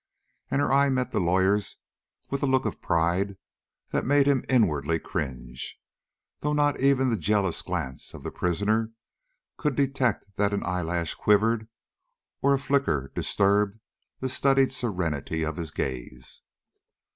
And her eye met the lawyer's with a look of pride that made him inwardly cringe, though not even the jealous glance of the prisoner could detect that an eyelash quivered or a flicker disturbed the studied serenity of his gaze.